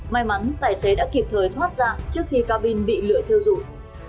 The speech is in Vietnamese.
may mắn tài xế đã kịp thời thoát dạng trước khi cabin bị lưỡi thiêu dụi